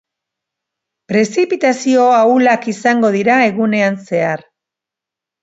Prezipitazio ahulak izango dira egunean zehar.